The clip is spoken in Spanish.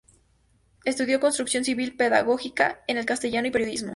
Estudió construcción civil, pedagogía en castellano y periodismo.